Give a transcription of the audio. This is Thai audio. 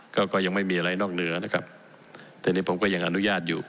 ก็ก็ยังไม่มีอะไรนอกเหนือนะครับแต่นี่ผมก็ยังอนุญาตอยู่